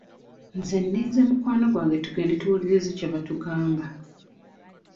Nze nninze mukwano gwange tugende tuwulirize kye batugamba.